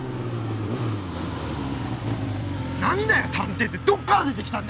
何だよ探偵ってどっから出て来たんだよ！